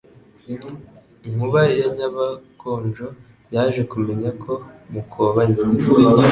Nkuba ya Nyabakonjo yaje kumenya ko Mukobanya